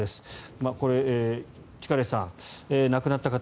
力石さん、亡くなった方